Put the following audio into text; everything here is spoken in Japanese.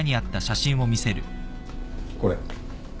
これ。